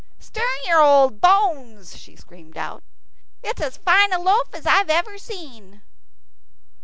"Stir your old bones," she screamed out. "It's as fine a loaf as ever I've seen."